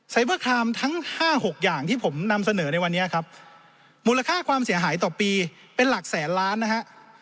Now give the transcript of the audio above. เบอร์คลามทั้งห้าหกอย่างที่ผมนำเสนอในวันนี้ครับมูลค่าความเสียหายต่อปีเป็นหลักแสนล้านนะฮะ